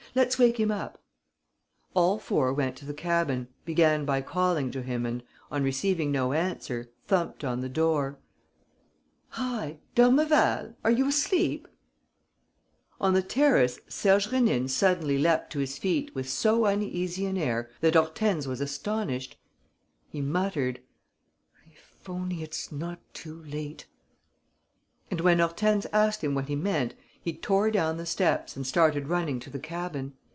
"Let's wake him up." All four went to the cabin, began by calling to him and, on receiving no answer, thumped on the door: "Hi! D'Ormeval! Are you asleep?" On the terrace Serge Rénine suddenly leapt to his feet with so uneasy an air that Hortense was astonished. He muttered: "If only it's not too late!" And, when Hortense asked him what he meant, he tore down the steps and started running to the cabin.